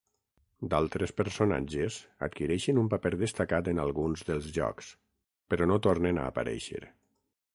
D'altres personatges adquireixen un paper destacat en alguns dels jocs però no tornen a aparèixer.